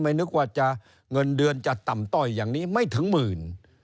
นึกว่าเงินเดือนจะต่ำต้อยอย่างนี้ไม่ถึงหมื่น